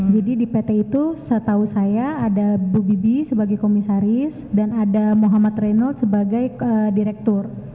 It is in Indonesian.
jadi di pt itu setahu saya ada bu bibi sebagai komisaris dan ada muhammad reynolds sebagai direktur